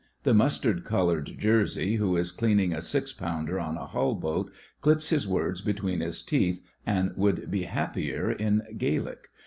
The mustard coloured jersey who is cleaning a six pounder on a Hull boat clips his words between his teeth and would be happier in Gaelic.